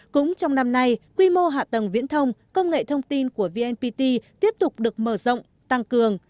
cũng trong năm nay quy mô hạ tầng viễn thông công nghệ thông tin của vnpt tiếp tục được mở rộng tăng cường